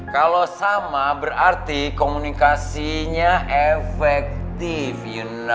kalau sama berarti komunikasinya efektif you know